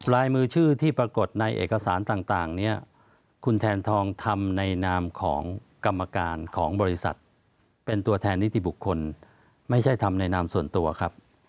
ลายมือชื่อที่ปรากฏในเอกสารต่างเนี่ยคุณแทนทองทำในนามของกรรมการของบริษัทเป็นตัวแทนนิติบุคคลไม่ใช่ทำในนามส่วนตัวครับ